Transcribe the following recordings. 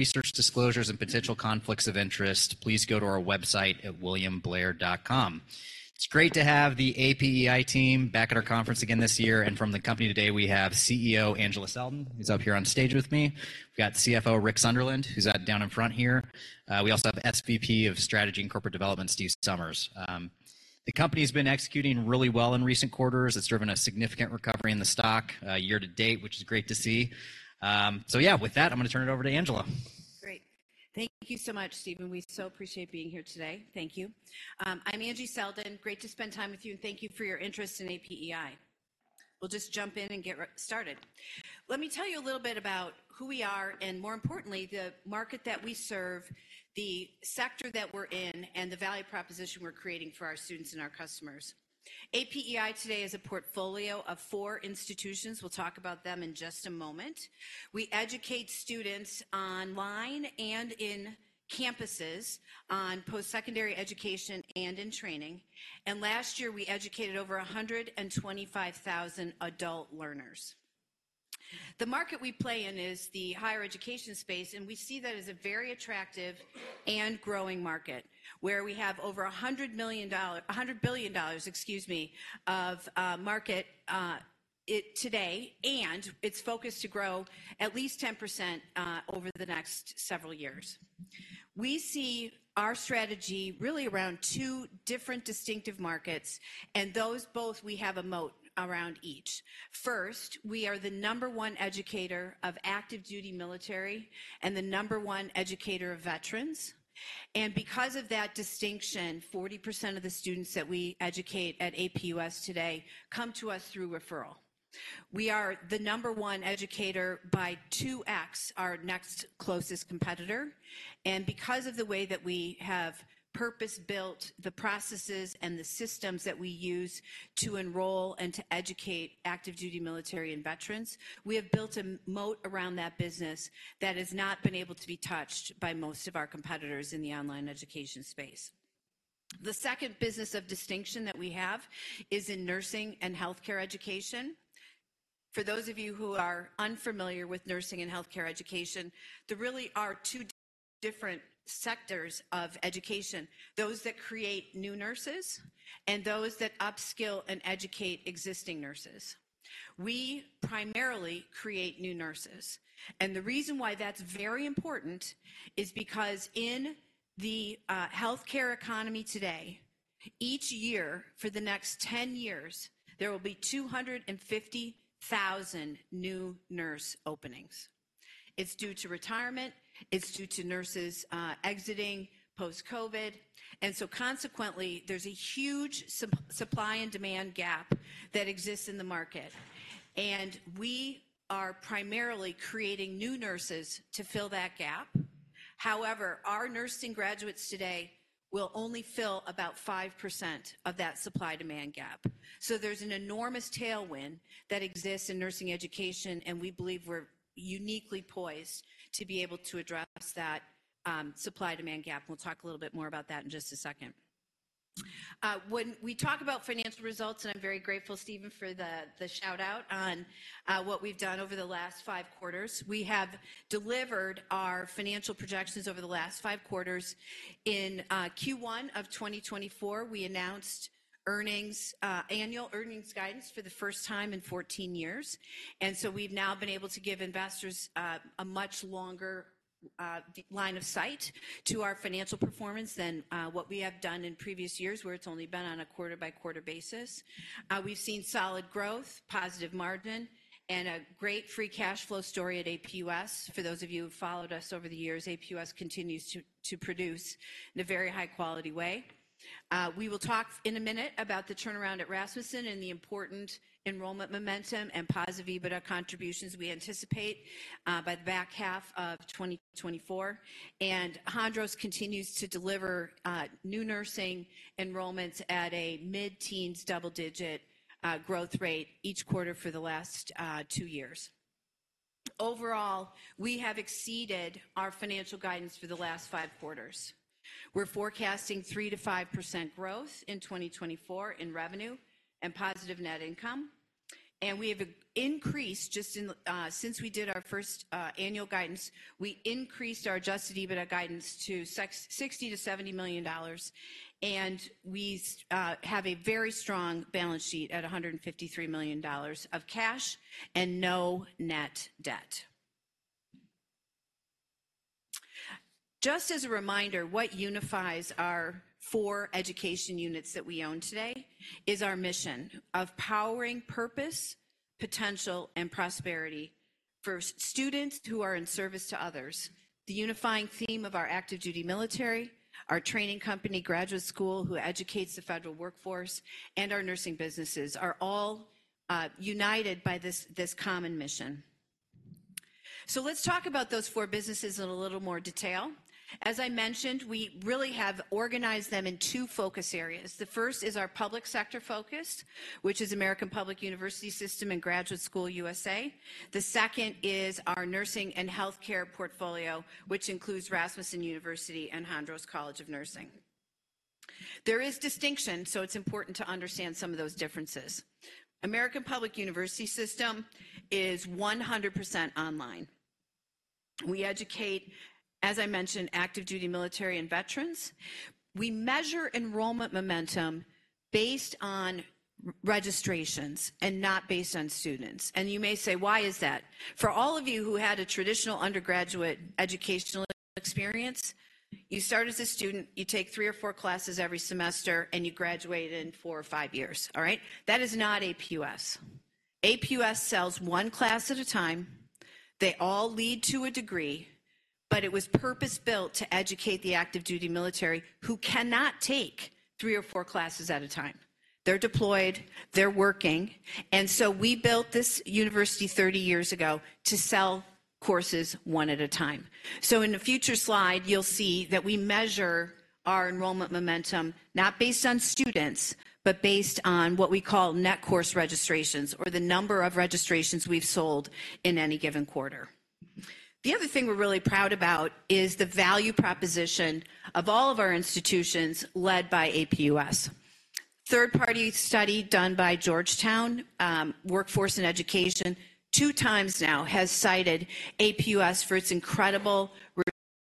Research disclosures and potential conflicts of interest, please go to our website at williamblair.com. It's great to have the APEI team back at our conference again this year, and from the company today, we have CEO Angela Selden, who's up here on stage with me. We've got CFO Rick Sunderland, who's out down in front here. We also have SVP of Strategy and Corporate Development, Steve Somers. The company's been executing really well in recent quarters. It's driven a significant recovery in the stock, year to date, which is great to see. So yeah, with that, I'm gonna turn it over to Angela. Great. Thank you so much, Steve. We so appreciate being here today. Thank you. I'm Angie Selden, great to spend time with you, and thank you for your interest in APEI. We'll just jump in and get started. Let me tell you a little bit about who we are and, more importantly, the market that we serve, the sector that we're in, and the value proposition we're creating for our students and our customers. APEI today is a portfolio of four institutions. We'll talk about them in just a moment. We educate students online and in campuses on post-secondary education and in training, and last year, we educated over 125,000 adult learners. The market we play in is the higher education space, and we see that as a very attractive and growing market, where we have over $100 million-$100 billion, excuse me, of market it today, and it's focused to grow at least 10%, over the next several years. We see our strategy really around two different distinctive markets, and those both we have a moat around each. First, we are the number one educator of active duty military and the number one educator of veterans, and because of that distinction, 40% of the students that we educate at APUS today come to us through referral. We are the number one educator by 2x our next closest competitor, and because of the way that we have purpose-built the processes and the systems that we use to enroll and to educate active duty military and veterans, we have built a moat around that business that has not been able to be touched by most of our competitors in the online education space. The second business of distinction that we have is in nursing and healthcare education. For those of you who are unfamiliar with nursing and healthcare education, there really are two different sectors of education: those that create new nurses and those that upskill and educate existing nurses. We primarily create new nurses, and the reason why that's very important is because in the healthcare economy today, each year for the next 10 years, there will be 250,000 new nurse openings. It's due to retirement, it's due to nurses exiting post-COVID, and so consequently, there's a huge supply and demand gap that exists in the market, and we are primarily creating new nurses to fill that gap. However, our nursing graduates today will only fill about 5% of that supply-demand gap. So there's an enormous tailwind that exists in nursing education, and we believe we're uniquely poised to be able to address that supply-demand gap. We'll talk a little bit more about that in just a second. When we talk about financial results, and I'm very grateful, Steve, for the shout-out on what we've done over the last 5 quarters, we have delivered our financial projections over the last 5 quarters. In Q1 of 2024, we announced annual earnings guidance for the first time in 14 years, and so we've now been able to give investors a much longer line of sight to our financial performance than what we have done in previous years, where it's only been on a quarter-by-quarter basis. We've seen solid growth, positive margin, and a great free cash flow story at APUS. For those of you who've followed us over the years, APUS continues to produce in a very high-quality way. We will talk in a minute about the turnaround at Rasmussen and the important enrollment momentum and positive EBITDA contributions we anticipate by the back half of 2024. Hondros continues to deliver new nursing enrollments at a mid-teens double-digit growth rate each quarter for the last two years. Overall, we have exceeded our financial guidance for the last 5 quarters. We're forecasting 3%-5% growth in 2024 in revenue and positive net income, and we have increased just in since we did our first annual guidance, we increased our adjusted EBITDA guidance to $60 million-$70 million, and we have a very strong balance sheet at $153 million of cash and no net debt. Just as a reminder, what unifies our four education units that we own today is our mission of powering purpose, potential, and prosperity for students who are in service to others. The unifying theme of our active duty military, our training company, Graduate School, who educates the federal workforce, and our nursing businesses, are all united by this common mission. So let's talk about those four businesses in a little more detail. As I mentioned, we really have organized them in two focus areas. The first is our public sector-focused, which is American Public University System and Graduate School USA. The second is our nursing and healthcare portfolio, which includes Rasmussen University and Hondros College of Nursing. There is distinction, so it's important to understand some of those differences. American Public University System is 100% online. We educate, as I mentioned, active duty military and veterans. We measure enrollment momentum based on registrations and not based on students, and you may say, "Why is that?" For all of you who had a traditional undergraduate educational experience, you start as a student, you take three or four classes every semester, and you graduate in four or five years. All right? That is not APUS. APUS sells one class at a time. They all lead to a degree, but it was purpose-built to educate the active duty military who cannot take three or four classes at a time. They're deployed, they're working, and so we built this university 30 years ago to sell courses one at a time. So in a future slide, you'll see that we measure our enrollment momentum, not based on students, but based on what we call net course registrations or the number of registrations we've sold in any given quarter. The other thing we're really proud about is the value proposition of all of our institutions led by APUS. Third-party study done by Georgetown Workforce and Education, two times now has cited APUS for its incredible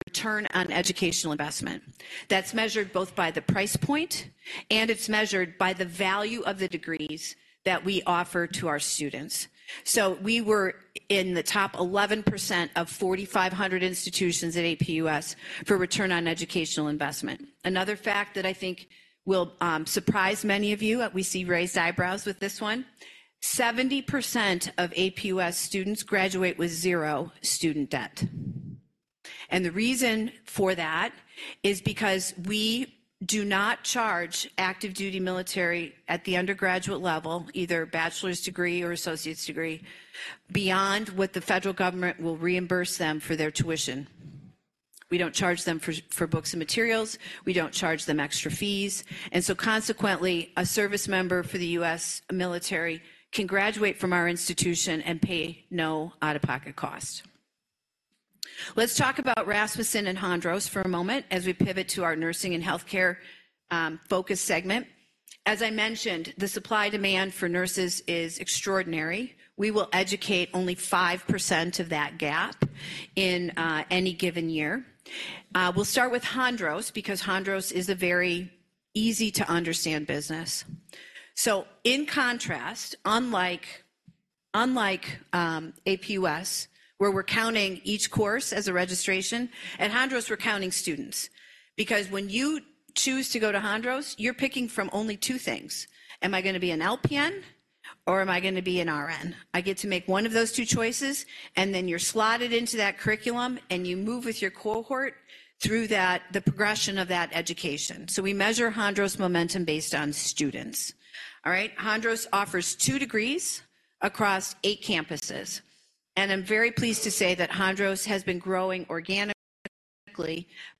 return on educational investment. That's measured both by the price point, and it's measured by the value of the degrees that we offer to our students. So we were in the top 11% of 4,500 institutions at APUS for return on educational investment. Another fact that I think will, surprise many of you, and we see raised eyebrows with this one: 70% of APUS students graduate with zero student debt. And the reason for that is because we do not charge active duty military at the undergraduate level, either bachelor's degree or associate's degree, beyond what the federal government will reimburse them for their tuition. We don't charge them for, for books and materials. We don't charge them extra fees, and so consequently, a service member for the U.S. military can graduate from our institution and pay no out-of-pocket cost. Let's talk about Rasmussen and Hondros for a moment as we pivot to our nursing and healthcare focus segment. As I mentioned, the supply-demand for nurses is extraordinary. We will educate only 5% of that gap in any given year. We'll start with Hondros because Hondros is a very easy-to-understand business. So in contrast, APUS, where we're counting each course as a registration, at Hondros we're counting students, because when you choose to go to Hondros, you're picking from only two things: Am I gonna be an LPN, or am I gonna be an RN? I get to make one of those two choices, and then you're slotted into that curriculum, and you move with your cohort through that, the progression of that education. So we measure Hondros' momentum based on students. All right? Hondros offers two degrees across eight campuses, and I'm very pleased to say that Hondros has been growing organically,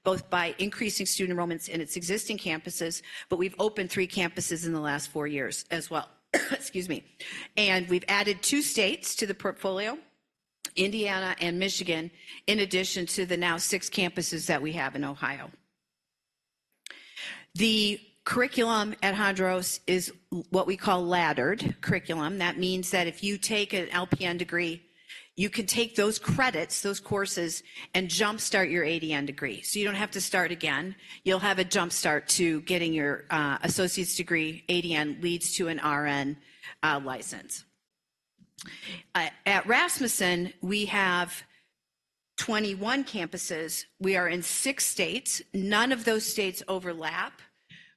both by increasing student enrollments in its existing campuses, but we've opened three campuses in the last four years as well. Excuse me. We've added 2 states to the portfolio, Indiana and Michigan, in addition to the now 6 campuses that we have in Ohio. The curriculum at Hondros is what we call laddered curriculum. That means that if you take an LPN degree, you can take those credits, those courses, and jumpstart your ADN degree. So you don't have to start again. You'll have a jumpstart to getting your associate's degree. ADN leads to an RN license. At Rasmussen, we have 21 campuses. We are in 6 states. None of those states overlap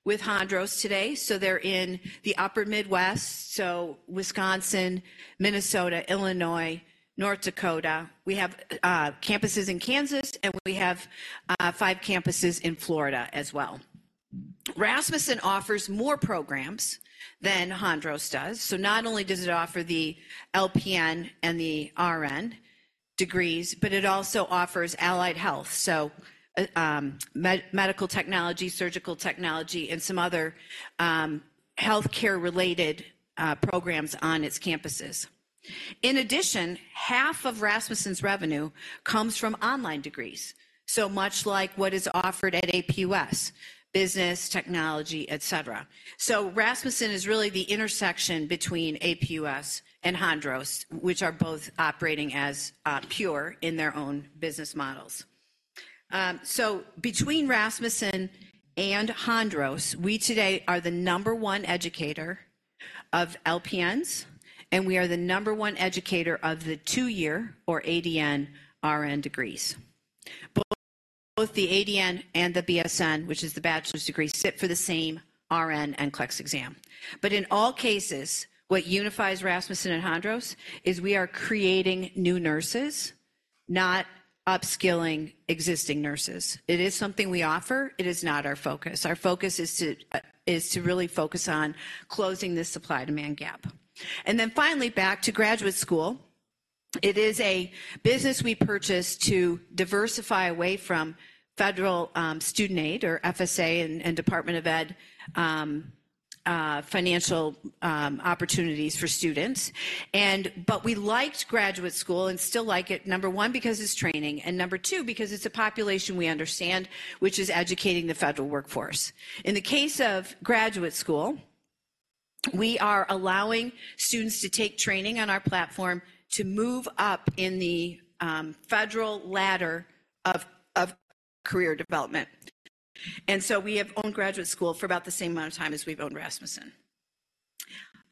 with Hondros today, so they're in the upper Midwest, so Wisconsin, Minnesota, Illinois, North Dakota. We have campuses in Kansas, and we have 5 campuses in Florida as well. Rasmussen offers more programs than Hondros does, so not only does it offer the LPN and the RN degrees, but it also offers allied health, so medical technology, surgical technology, and some other healthcare-related programs on its campuses. In addition, half of Rasmussen's revenue comes from online degrees, so much like what is offered at APUS: business, technology, et cetera. So Rasmussen is really the intersection between APUS and Hondros, which are both operating as pure in their own business models. So between Rasmussen and Hondros, we today are the number one educator of LPNs, and we are the number one educator of the two-year or ADN, RN degrees. Both the ADN and the BSN, which is the bachelor's degree, sit for the same RN NCLEX exam. But in all cases, what unifies Rasmussen and Hondros is we are creating new nurses, not upskilling existing nurses. It is something we offer. It is not our focus. Our focus is to, is to really focus on closing this supply-demand gap. And then finally, back to Graduate School, it is a business we purchased to diversify away from Federal Student Aid, or FSA, and Department of Ed, financial, opportunities for students. But we liked Graduate School and still like it, number one, because it's training, and number two, because it's a population we understand, which is educating the federal workforce. In the case of Graduate School, we are allowing students to take training on our platform to move up in the, federal ladder of, career development. We have owned Graduate School for about the same amount of time as we've owned Rasmussen.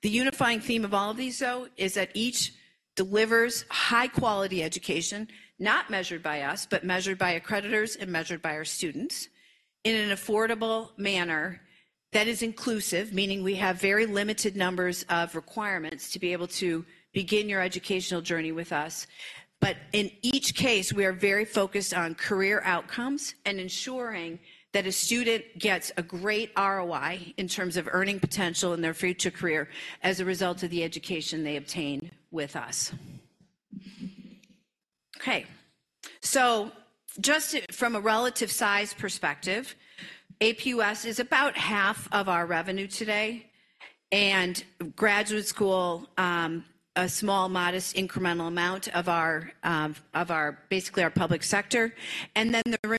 The unifying theme of all of these, though, is that each delivers high-quality education, not measured by us, but measured by accreditors and measured by our students, in an affordable manner that is inclusive, meaning we have very limited numbers of requirements to be able to begin your educational journey with us. But in each case, we are very focused on career outcomes and ensuring that a student gets a great ROI in terms of earning potential in their future career as a result of the education they obtain with us. Okay, so just from a relative size perspective, APUS is about half of our revenue today, and Graduate School, a small, modest, incremental amount of our basically our public sector. And then the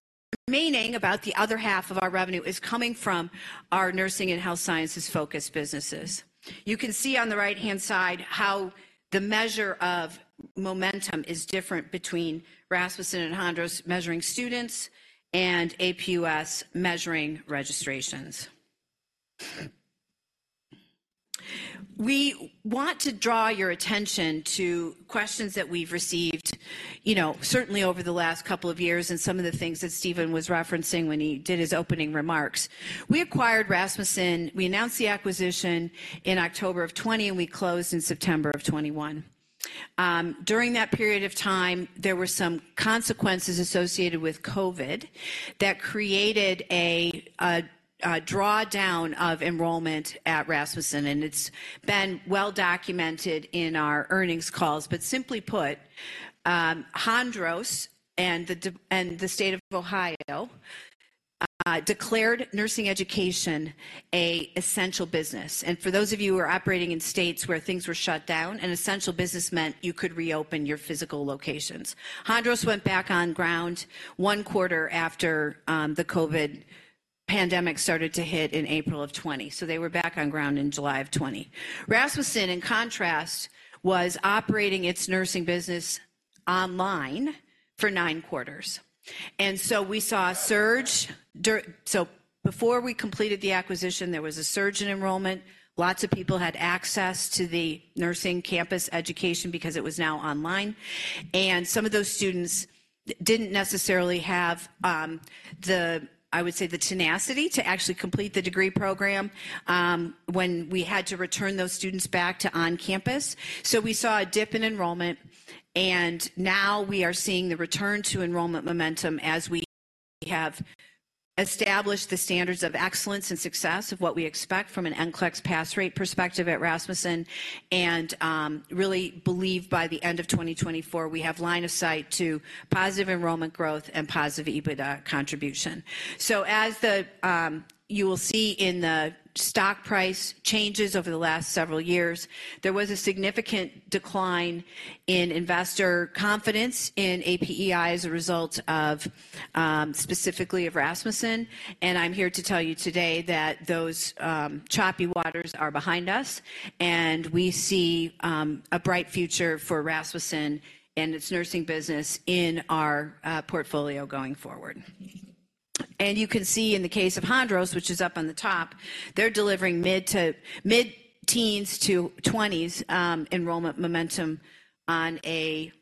remaining, about the other half of our revenue, is coming from our nursing and health sciences-focused businesses. You can see on the right-hand side how the measure of momentum is different between Rasmussen and Hondros, measuring students, and APUS measuring registrations. We want to draw your attention to questions that we've received, you know, certainly over the last couple of years and some of the things that Steve was referencing when he did his opening remarks. We acquired Rasmussen. We announced the acquisition in October of 2020, and we closed in September of 2021. During that period of time, there were some consequences associated with COVID that created a drawdown of enrollment at Rasmussen, and it's been well documented in our earnings calls. But simply put, Hondros and the dean and the State of Ohio declared nursing education an essential business. For those of you who are operating in states where things were shut down, an essential business meant you could reopen your physical locations. Hondros went back on ground one quarter after the COVID pandemic started to hit in April of 2020. So they were back on ground in July of 2020. Rasmussen, in contrast, was operating its nursing business online for nine quarters, and so we saw a surge. So before we completed the acquisition, there was a surge in enrollment. Lots of people had access to the nursing campus education because it was now online, and some of those students didn't necessarily have the, I would say, the tenacity to actually complete the degree program when we had to return those students back to on campus. So we saw a dip in enrollment, and now we are seeing the return to enrollment momentum as we have established the standards of excellence and success of what we expect from an NCLEX pass rate perspective at Rasmussen and really believe by the end of 2024, we have line of sight to positive enrollment growth and positive EBITDA contribution. So you will see in the stock price changes over the last several years, there was a significant decline in investor confidence in APEI as a result of specifically of Rasmussen. And I'm here to tell you today that those choppy waters are behind us, and we see a bright future for Rasmussen and its nursing business in our portfolio going forward. You can see in the case of Hondros, which is up on the top, they're delivering mid- to mid-teens- to twenties enrollment momentum on a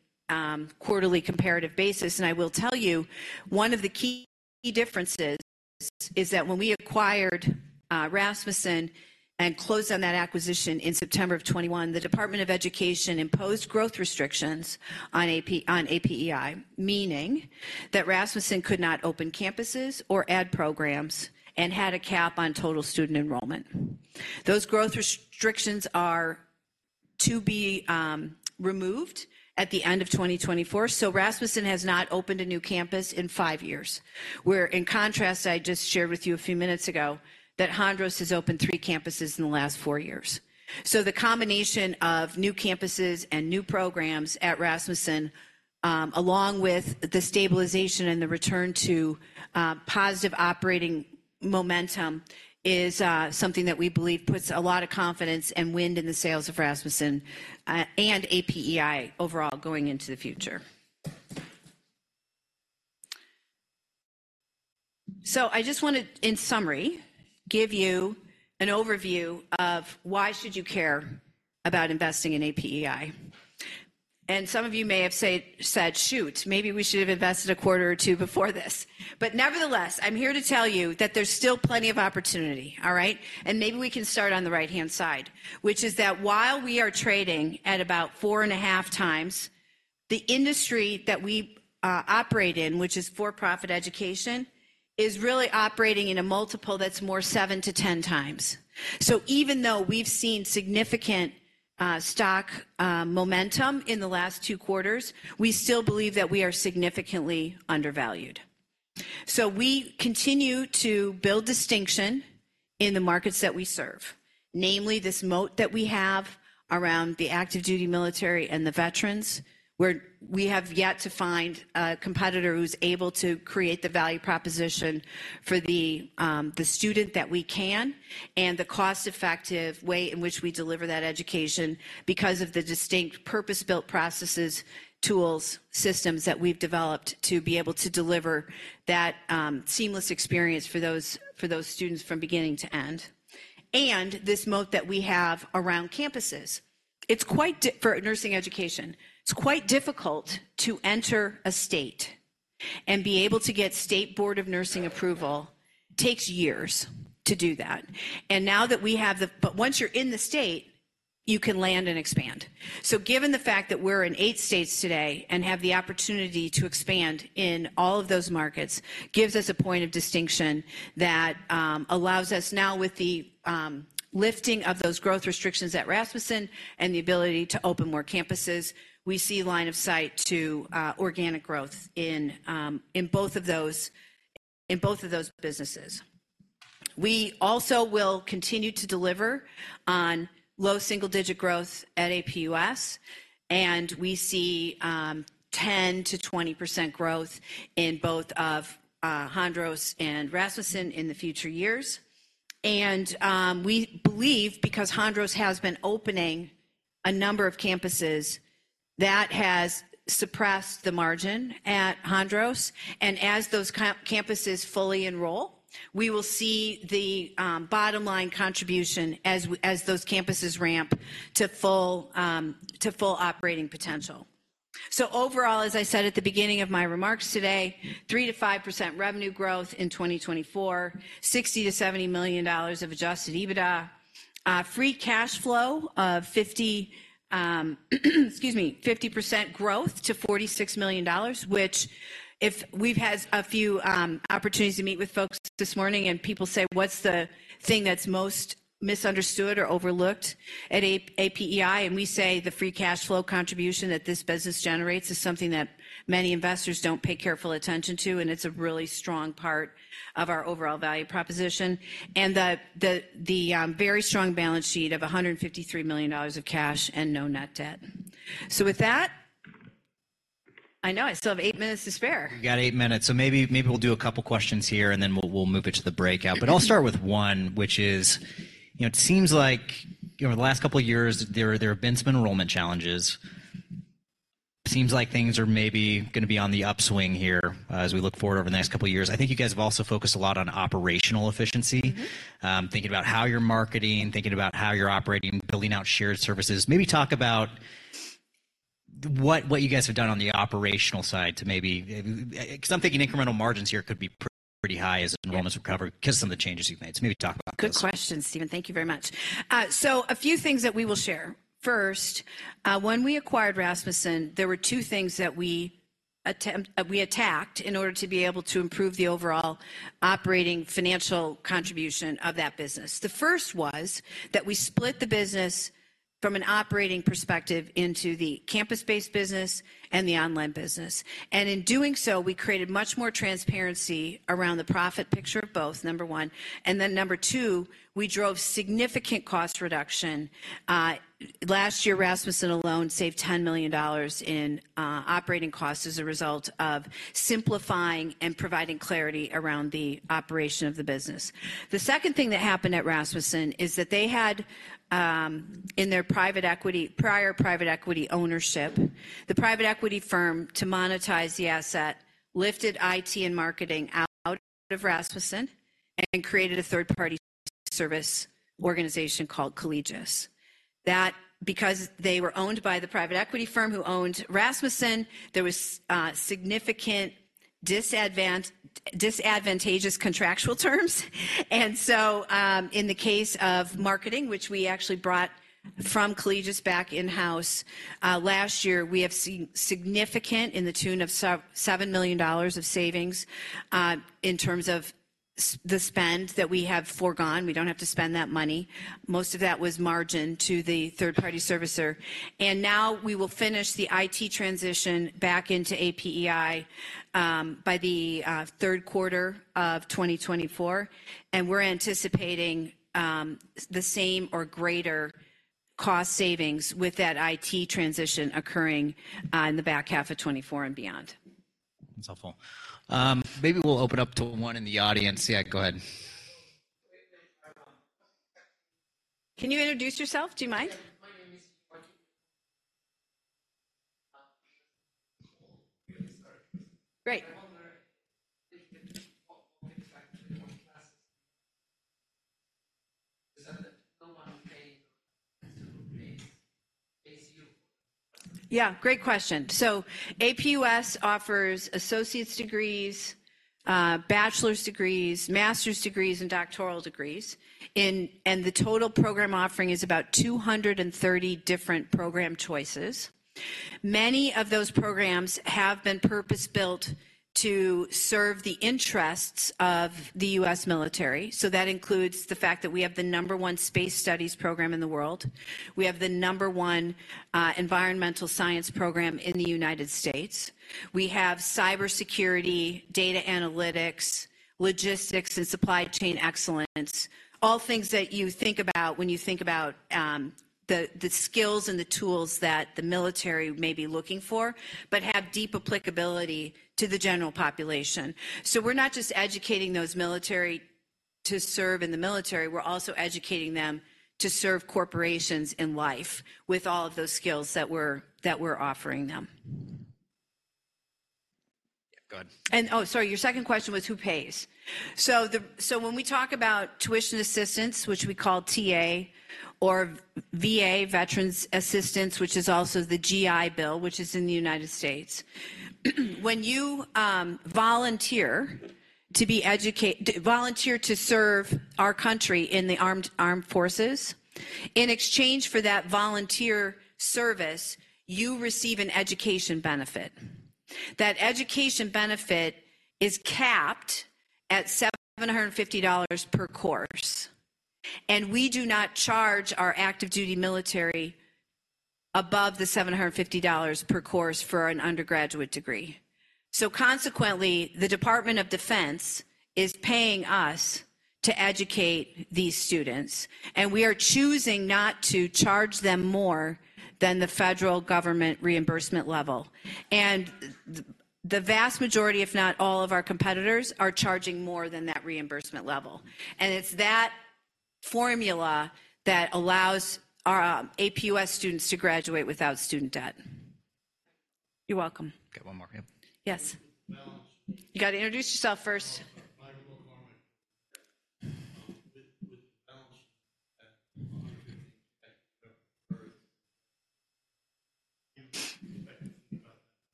quarterly comparative basis. I will tell you, one of the key differences is that when we acquired Rasmussen and closed on that acquisition in September of 2021, the Department of Education imposed growth restrictions on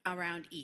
AP,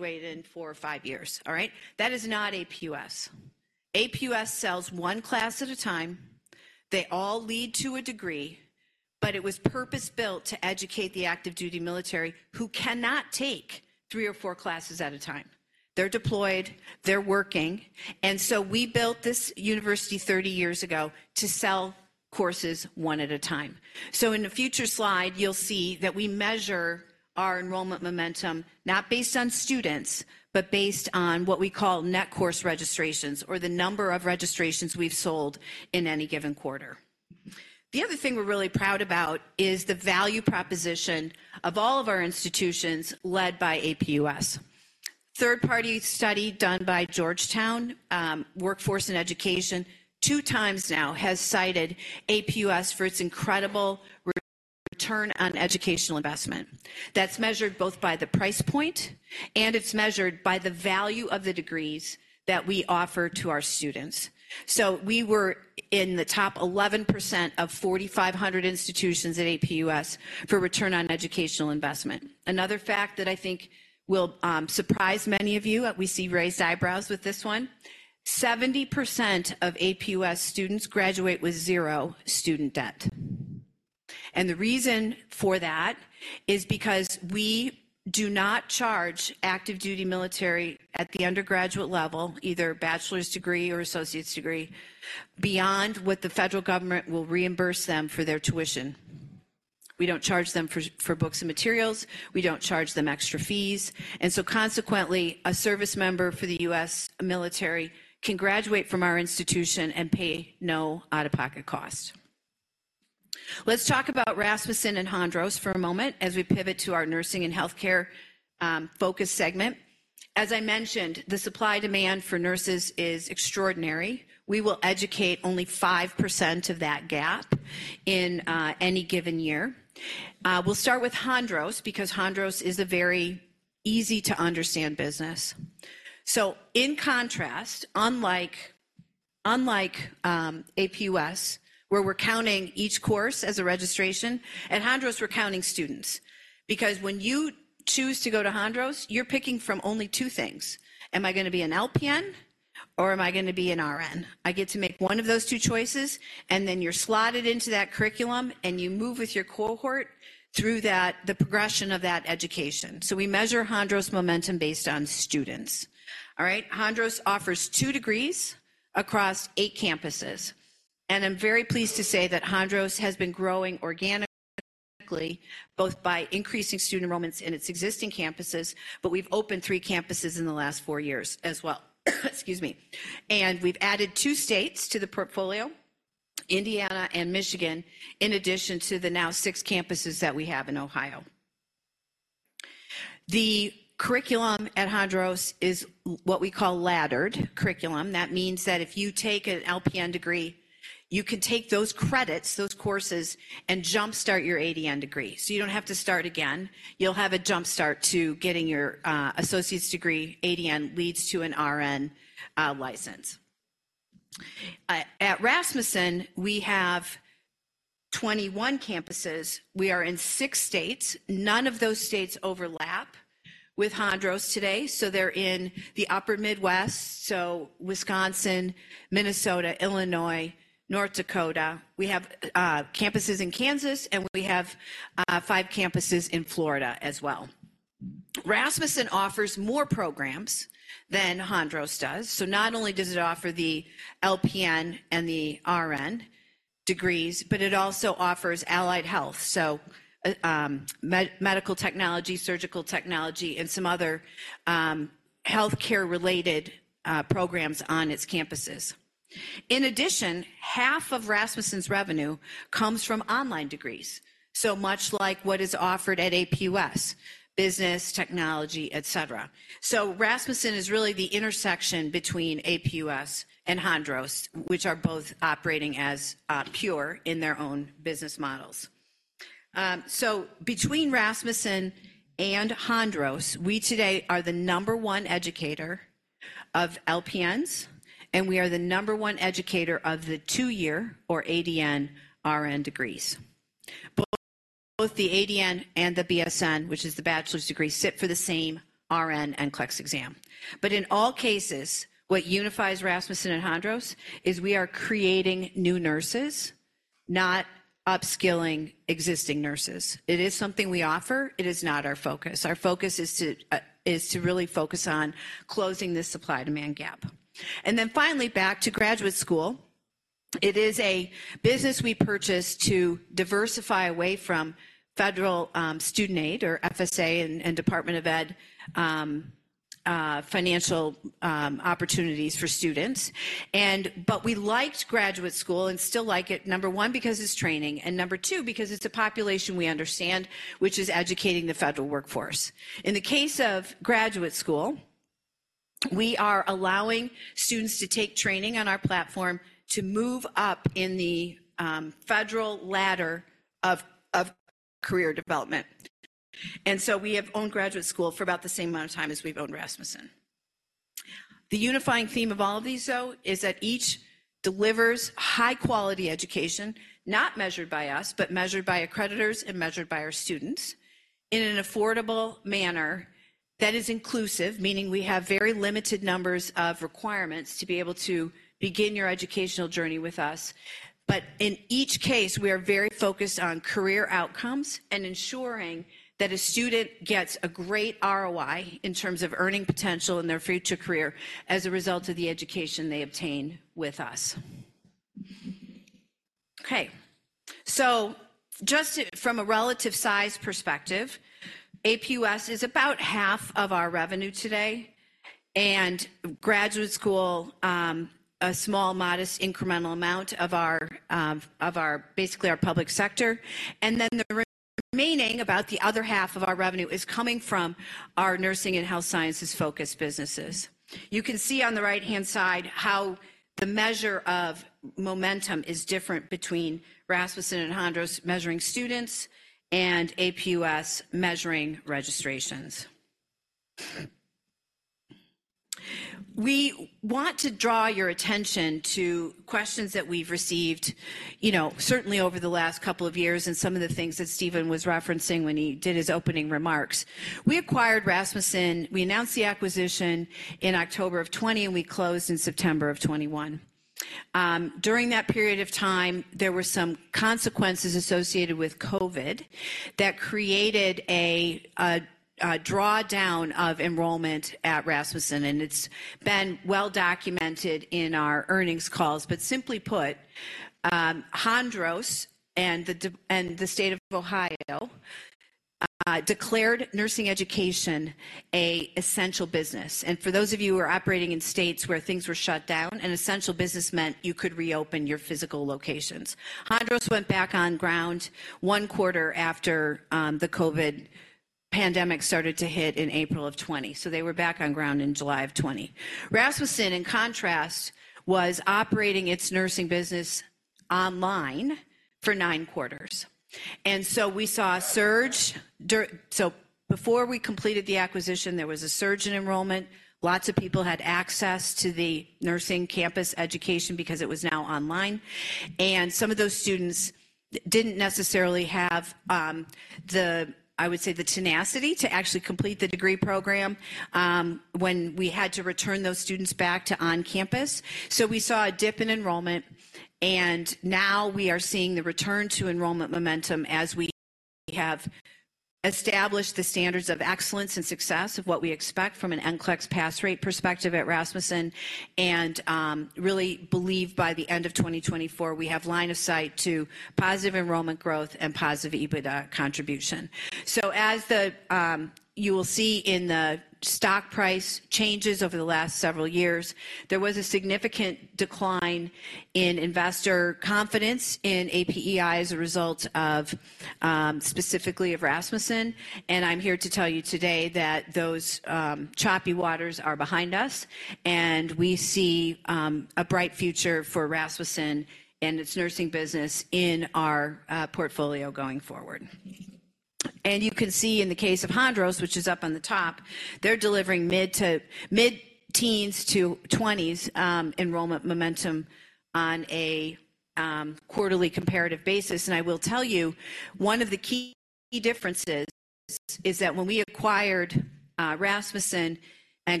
on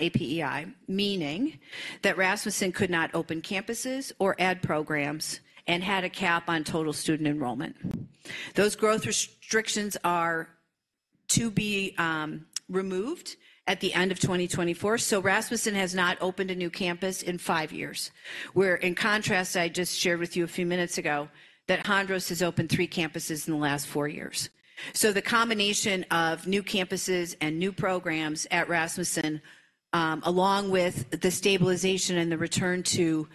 APEI, meaning that Rasmussen could not open campuses or add programs and had a cap on total student enrollment. Those growth restrictions are to be removed at the end of 2024. So Rasmussen has not opened a new campus in five years. Where, in contrast, I just shared with you a few minutes ago that Hondros has opened three campuses in the last four years. So the combination of new campuses and new programs at Rasmussen, along with the stabilization and the return to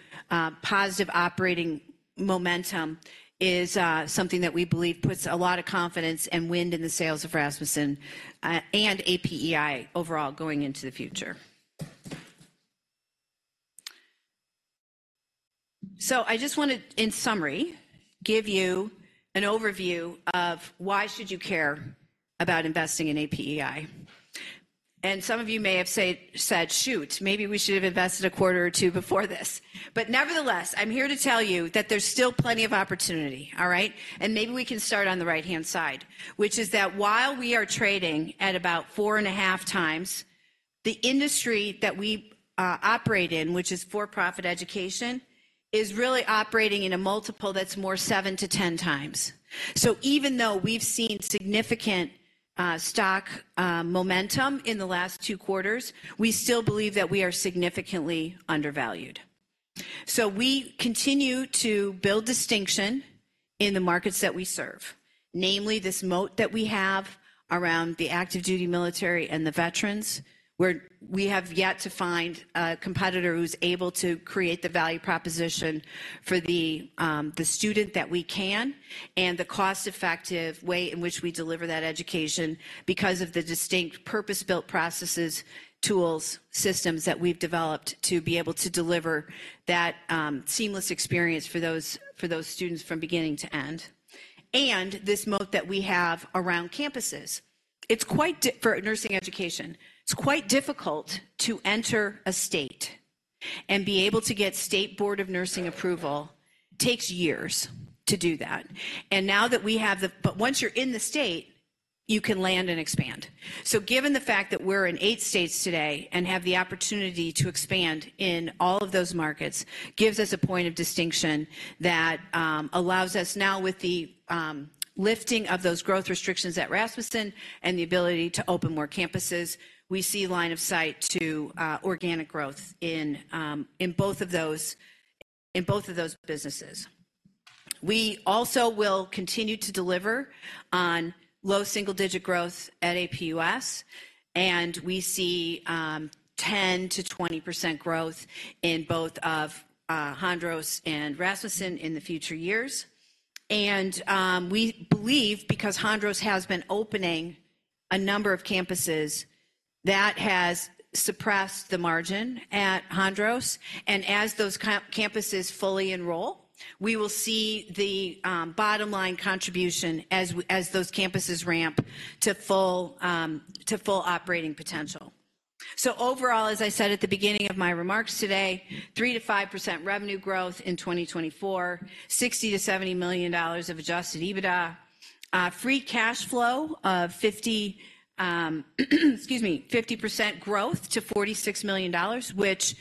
positive operating momentum, is something that we believe puts a lot of confidence and wind in the sails of Rasmussen and APEI overall going into the future. So I just wanted to, in summary, give you an overview of why should you care about investing in APEI. And some of you may have said, "Shoot, maybe we should have invested a quarter or two before this." But nevertheless, I'm here to tell you that there's still plenty of opportunity, all right? Maybe we can start on the right-hand side, which is that while we are trading at about 4.5x, the industry that we operate in, which is for-profit education, is really operating in a multiple that's more 7-10x. So even though we've seen significant stock momentum in the last two quarters, we still believe that we are significantly undervalued. So we continue to build distinction in the markets that we serve, namely this moat that we have around the active duty military and the veterans, where we have yet to find a competitor who's able to create the value proposition for the student that we can, and the cost-effective way in which we deliver that education because of the distinct purpose-built processes, tools, systems that we've developed to be able to deliver that seamless experience for those students from beginning to end. And this moat that we have around campuses. It's quite difficult for nursing education; it's quite difficult to enter a state and be able to get state board of nursing approval. Takes years to do that. But once you're in the state, you can land and expand. Given the fact that we're in 8 states today and have the opportunity to expand in all of those markets, gives us a point of distinction that allows us now with the lifting of those growth restrictions at Rasmussen and the ability to open more campuses, we see line of sight to organic growth in both of those businesses. We also will continue to deliver on low single-digit growth at APUS, and we see 10%-20% growth in both of Hondros and Rasmussen in the future years. We believe because Hondros has been opening a number of campuses, that has suppressed the margin at Hondros, and as those campuses fully enroll, we will see the bottom line contribution as those campuses ramp to full operating potential. So overall, as I said at the beginning of my remarks today, 3%-5% revenue growth in 2024, $60 million-$70 million of adjusted EBITDA, free cash flow of 50%, excuse me, 50% growth to $46 million, which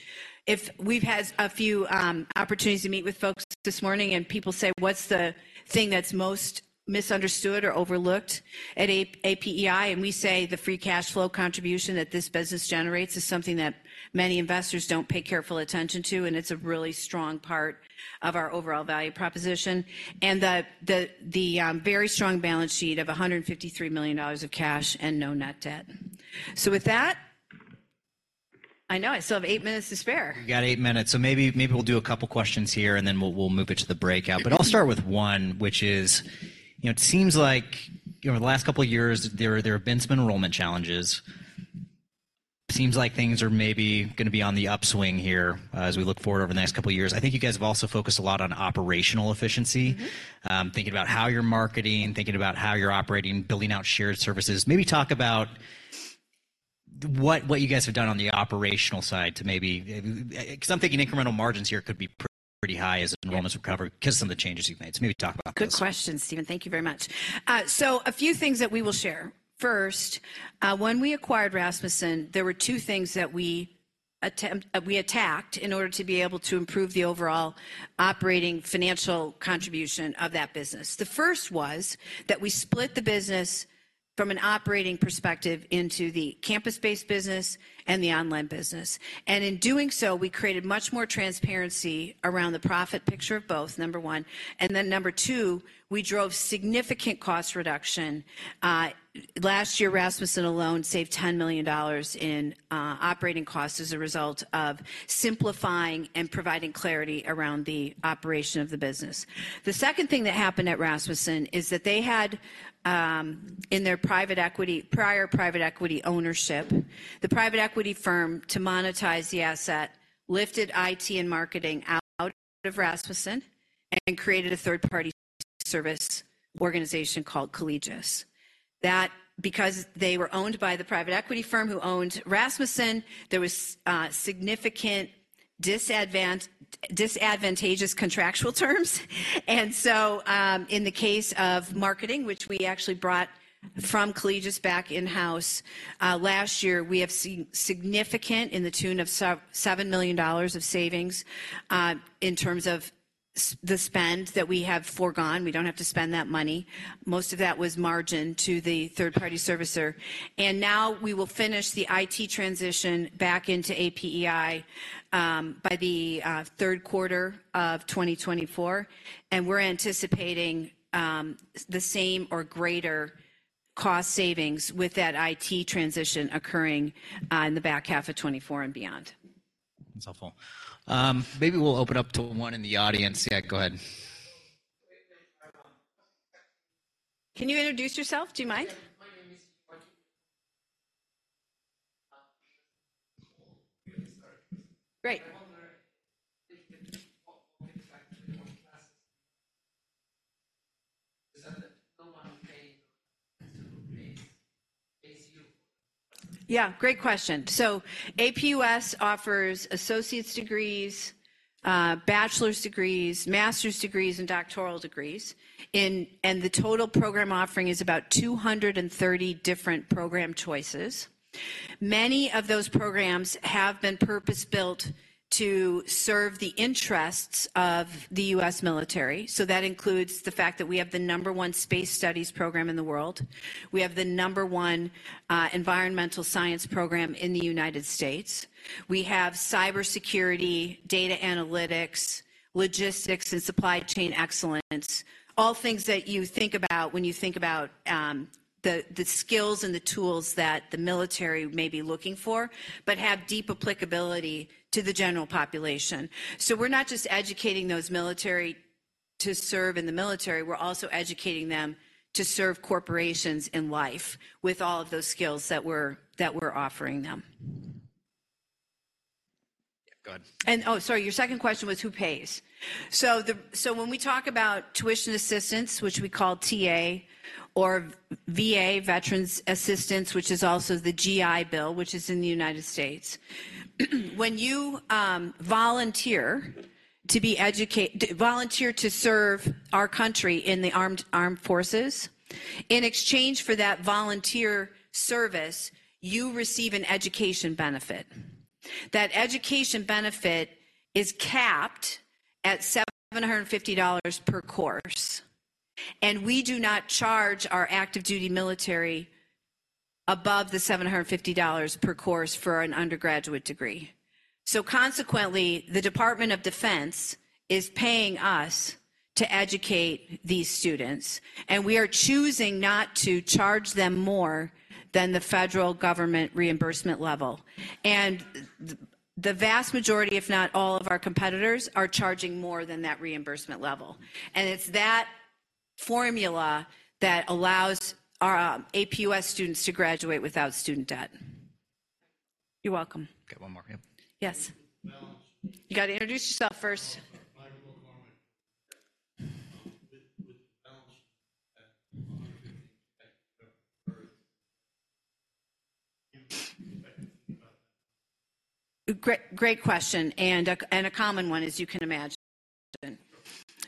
if... We've had a few opportunities to meet with folks this morning, and people say: "What's the thing that's most misunderstood or overlooked at APEI?" And we say the free cash flow contribution that this business generates is something that many investors don't pay careful attention to, and it's a really strong part of our overall value proposition, and the very strong balance sheet of $153 million of cash and no net debt. So with that, I know I still have 8 minutes to spare. You got 8 minutes, so maybe, maybe we'll do a couple questions here, and then we'll, we'll move it to the breakout. But I'll start with one, which is, you know, it seems like, you know, over the last couple of years, there, there have been some enrollment challenges. Seems like things are maybe gonna be on the upswing here, as we look forward over the next couple of years. I think you guys have also focused a lot on operational efficiency thinking about how you're marketing, thinking about how you're operating, building out shared services. Maybe talk about what you guys have done on the operational side to maybe. Because I'm thinking incremental margins here could be pretty high as- Yeah Enrollments recover because some of the changes you've made. So maybe talk about that. Good question, Stephen. Thank you very much. So a few things that we will share. First, when we acquired Rasmussen, there were two things that we attacked in order to be able to improve the overall operating financial contribution of that business. The first was that we split the business from an operating perspective into the campus-based business and the online business, and in doing so, we created much more transparency around the profit picture of both, number one, and then number two, we drove significant cost reduction. Last year, Rasmussen alone saved $10 million in operating costs as a result of simplifying and providing clarity around the operation of the business. The second thing that happened at Rasmussen is that they had, in their prior private equity ownership, the private equity firm, to monetize the asset, lifted IT and marketing out of Rasmussen and created a third-party service organization called Collegis. That, because they were owned by the private equity firm who owned Rasmussen, there was, significant disadvantage, disadvantageous contractual terms. And so, in the case of marketing, which we actually brought from Collegis back in-house, last year, we have seen significant, to the tune of $7 million of savings, in terms of the spend that we have foregone. We don't have to spend that money. Most of that was margin to the third-party servicer, and now we will finish the IT transition back into APEI by the third quarter of 2024, and we're anticipating the same or greater cost savings with that IT transition occurring in the back half of 2024 and beyond. That's helpful. Maybe we'll open up to one in the audience. Yeah, go ahead. Can you introduce yourself? Do you mind? My name is Martin. Great. I wonder if you can talk more exactly what classes is that no one will pay us to raise ACU? Yeah, great question. So APUS offers associate's degrees, bachelor's degrees, master's degrees, and doctoral degrees. And the total program offering is about 230 different program choices. Many of those programs have been purpose-built to serve the interests of the U.S. military, so that includes the fact that we have the number one Space Studies program in the world. We have the number one Environmental Science program in the United States. We have cybersecurity, data analytics, logistics, and supply chain excellence, all things that you think about when you think about the skills and the tools that the military may be looking for but have deep applicability to the general population. So we're not just educating those military to serve in the military, we're also educating them to serve corporations in life with all of those skills that we're offering them. Go ahead. Oh, sorry, your second question was: Who pays? So when we talk about Tuition Assistance, which we call TA or VA, Veterans Assistance, which is also the GI Bill, which is in the United States, when you volunteer to serve our country in the armed forces, in exchange for that volunteer service, you receive an education benefit. That education benefit is capped at $750 per course, and we do not charge our active duty military above the $750 per course for an undergraduate degree. So consequently, the Department of Defense is paying us to educate these students, and we are choosing not to charge them more than the federal government reimbursement level. And the vast majority, if not all, of our competitors are charging more than that reimbursement level, and it's that formula that allows our APUS students to graduate without student debt. You're welcome. Got one more here. Yes. Balance You got to introduce yourself first. Oh, sorry. Michael McCormick. With the balance, thank you very. You expect about that? Great, great question, and a common one, as you can imagine.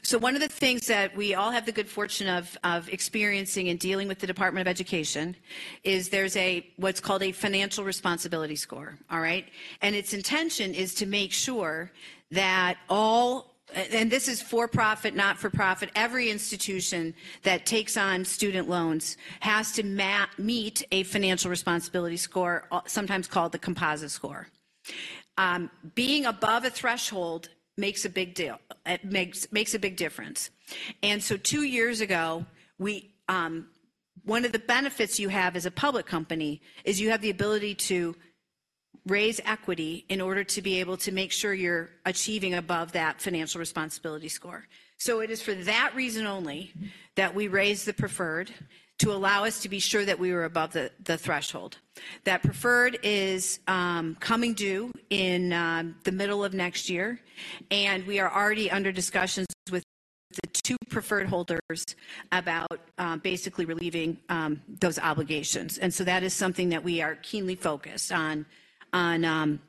So one of the things that we all have the good fortune of experiencing and dealing with the Department of Education is there's what's called a financial responsibility score. All right? And its intention is to make sure that all, and this is for-profit, not-for-profit, every institution that takes on student loans has to meet a financial responsibility score, sometimes called the composite score. Being above a threshold makes a big deal, it makes a big difference. And so two years ago, we. One of the benefits you have as a public company is you have the ability to raise equity in order to be able to make sure you're achieving above that financial responsibility score. So it is for that reason only that we raised the preferred to allow us to be sure that we were above the threshold. That preferred is coming due in the middle of next year, and we are already under discussions with the two preferred holders about basically relieving those obligations. And so that is something that we are keenly focused on, on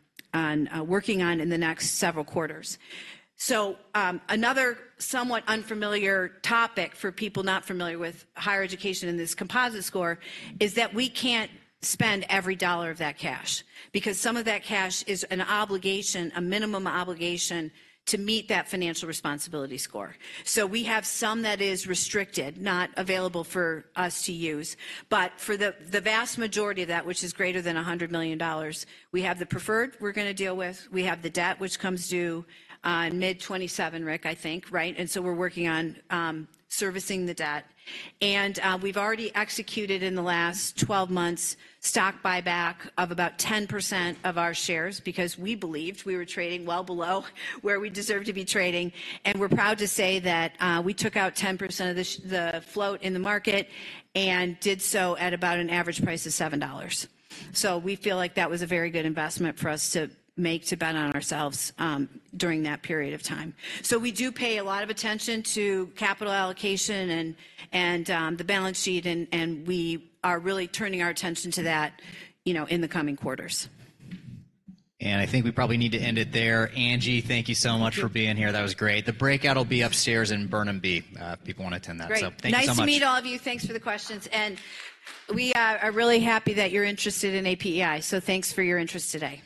working on in the next several quarters. So another somewhat unfamiliar topic for people not familiar with higher education and this Composite Score is that we can't spend every dollar of that cash because some of that cash is an obligation, a minimum obligation, to meet that financial responsibility score. So we have some that is restricted, not available for us to use. But for the vast majority of that, which is greater than $100 million, we have the preferred we're going to deal with. We have the debt, which comes due mid-2027, Rick, I think, right? And so we're working on servicing the debt. And we've already executed, in the last 12 months, stock buyback of about 10% of our shares because we believed we were trading well below where we deserve to be trading. And we're proud to say that we took out 10% of the float in the market and did so at about an average price of $7. So we feel like that was a very good investment for us to make, to bet on ourselves during that period of time. So we do pay a lot of attention to capital allocation and the balance sheet, and we are really turning our attention to that, you know, in the coming quarters. I think we probably need to end it there. Angie, thank you so much for being here. That was great. The breakout will be upstairs in Burnham B, if people want to attend that. Great. Thank you so much. Nice to meet all of you. Thanks for the questions, and we are really happy that you're interested in APEI, so thanks for your interest today.